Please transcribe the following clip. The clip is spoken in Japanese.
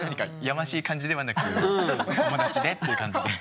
やましい感じではなく友達でっていう感じで。